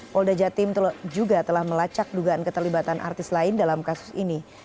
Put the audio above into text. polda jatim juga telah melacak dugaan keterlibatan artis lain dalam kasus ini